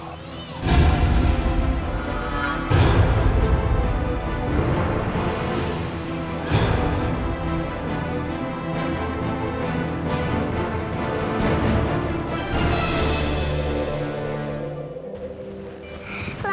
aku akan menyesal